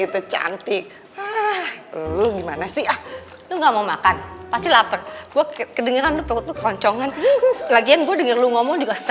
bukan biasanya lu sirik desu makanya suka keselakau